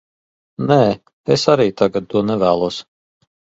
Nē, es arī tagad to nevēlos.